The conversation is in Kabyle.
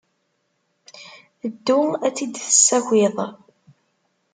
Ddu ad tt-id-tessakiḍ.